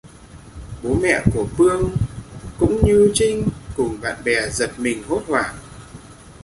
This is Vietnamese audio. Bố mẹ của Pương cũng như Trinh cùng bạn bè giật mình hốt hoảng